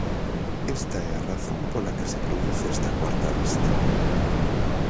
Esta é a razón pola que se produce esta cuarta vista.